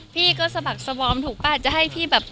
พี่ก็สะบักสบอมถูกป่ะจะให้พี่แบบ